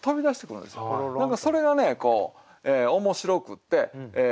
何かそれがねこう面白くって。